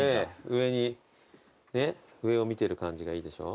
上に上を見てる感じがいいでしょ。